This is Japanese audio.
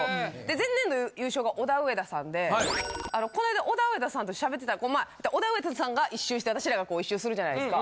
前年度優勝がオダウエダさんでこの間オダウエダさんと喋ってたらオダウエダさんが一周して私らがこう一周するじゃないですか。